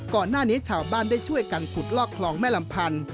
ก่อนหน้านี้ชาวบ้านได้ช่วยกันขุดลอกคลองแม่ลำพันธ์